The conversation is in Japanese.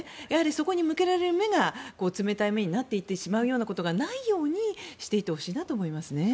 そこに向けられる目が冷たい目になってしまうことがないようにしていってほしいと思います。